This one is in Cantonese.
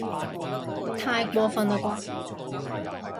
太過分喇啩